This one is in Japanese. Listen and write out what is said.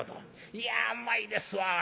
「いやうまいですわ。